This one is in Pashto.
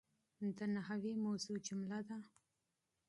د نحوي موضوع جمله ده.